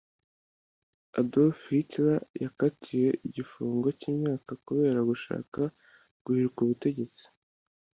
Adolf Hitler yakatiwe igifungo cy’imyaka kubera gushaka guhirika ubutegetsi